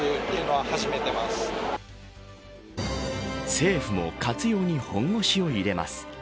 政府も活用に本腰を入れます。